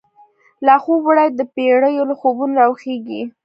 لا خوب وړی دپیړیو، له خوبونو را وښیږیږی